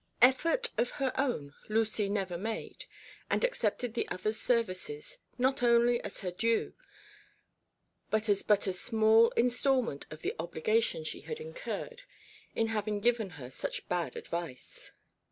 Effort of her own Lucy never made, and accepted the other's services not only as her due, but as but a small instalment of the obligation she had incurred in having given her such bad advice.